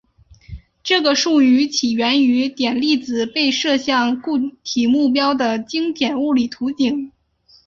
这个术语起源于点粒子被射向固体目标的经典物理图景。